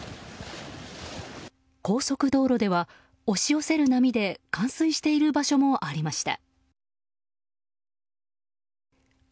高速道路では押し寄せる波で冠水している場所もありました。